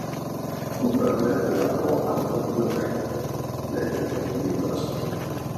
Hooper lectured at Northampton Polytechnic (later City University).